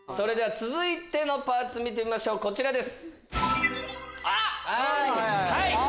続いてのパーツ見ましょうこちらです。